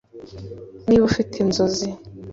niba ufite inzozi